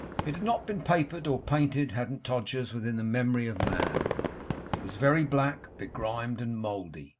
It had not been papered or painted, hadn't Todgers's, within the memory of man. It was very black, begrimed, and mouldy.